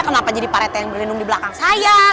kenapa jadi pak rete yang berlindung di belakang saya